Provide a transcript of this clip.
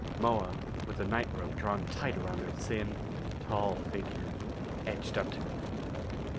Moa, with a nightrobe drawn tight around her thin, tall figure, edged up to me.